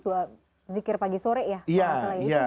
dua zikir pagi sore ya